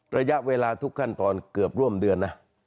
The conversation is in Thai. ระยะเวลาทุกขั้นตอนเกือบร่วมเดือนนะ